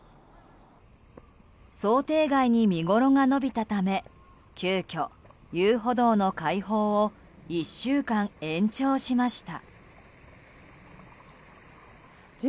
想定外に見ごろが伸びたため急きょ、遊歩道の開放を１週間延長しました。